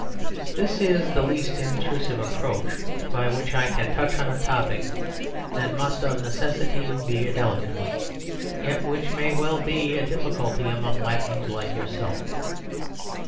This is the least intrusive approach by which I can touch on a topic that must of necessity be a delicate one; yet which may well be a difficulty among Latins like yourself.